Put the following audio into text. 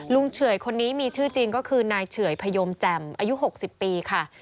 เฉื่อยคนนี้มีชื่อจริงก็คือนายเฉื่อยพยมแจ่มอายุ๖๐ปีค่ะ